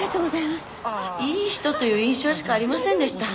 いい人という印象しかありませんでした。